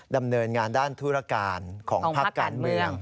ดำเนินงานด้านธุรการของภาคการเมือง